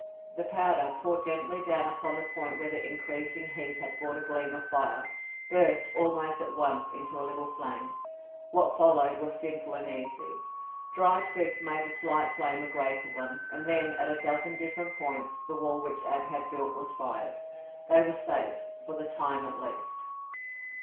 The powder, poured gently down upon the point where the increasing heat had brought the gleam of fire, burst, almost at once, into a little flame. What followed was simple and easy. Dry twigs made the slight flame a greater one and then, at a dozen different points, the wall which Ab had built was fired. They were safe, for the time at least.